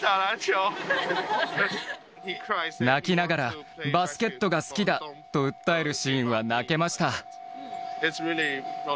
泣きながら、バスケットが好きだと訴えるシーンは泣けました。